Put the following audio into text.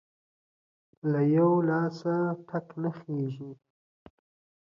له يوه لاسه ټک نه خيږى.